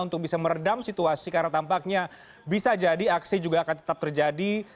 untuk bisa meredam situasi karena tampaknya bisa jadi aksi juga akan tetap terjadi